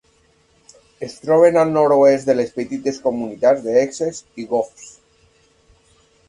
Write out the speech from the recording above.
Es troben al nord-oest de les petites comunitats d'Essex i Goffs.